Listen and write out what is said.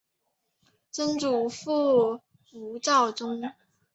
曾祖父吴绍宗。